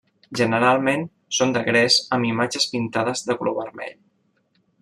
Generalment són de gres amb imatges pintades de color vermell.